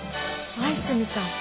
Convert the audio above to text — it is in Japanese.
アイスみたい。